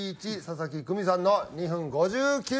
佐々木久美さんの２分５９秒です。